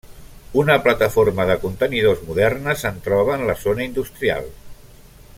Una plataforma de contenidors moderna se'n troba en la zona industrial.